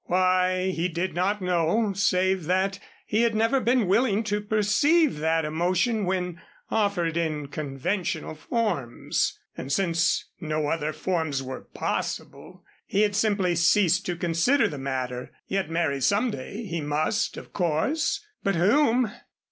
Why, he did not know, save that he had never been willing to perceive that emotion when offered in conventional forms and since no other forms were possible, he had simply ceased to consider the matter. Yet marry some day, he must, of course. But whom?